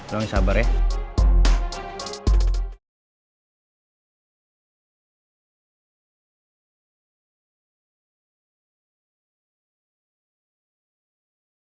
lo yang sabar ya